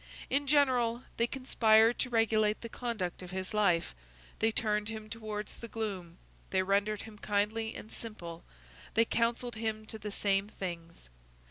In general, they conspired to regulate the conduct of his life; they turned him towards the gloom; they rendered him kindly and simple; they counselled him to the same things.